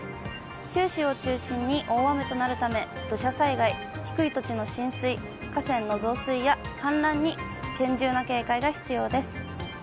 九州を中心に大雨となるため、土砂災害、低い土地の浸水、河川の増水や氾濫に厳重な警戒が必要です。